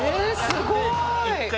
すごい！